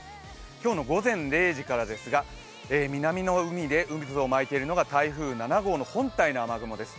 今日の午前０時からですが南の海で渦を巻いているのが台風７号の本体の雨雲です。